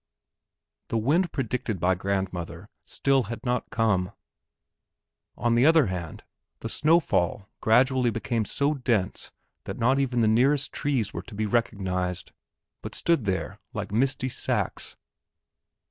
The wind predicted by grandmother still had not come, on the other hand, the snowfall gradually became so dense that not even the nearest trees were to be recognized, but stood there like misty sacks.